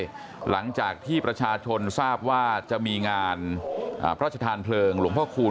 ต้นเดือนแล้วด้วยหลังจากที่ประชาชนทราบว่าจะมีงานพระอาจารย์เพลิงหลวงพ่อคูณ